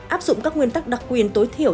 áp dụng các nguyên tắc đặc quyền tối thiểu